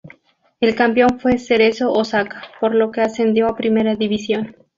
El campeón fue Cerezo Osaka, por lo que ascendió a Primera División.